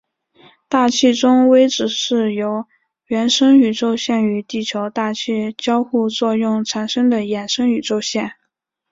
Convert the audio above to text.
大气中微子是由原生宇宙线与地球大气交互作用产生的衍生宇宙线。